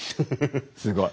すごい。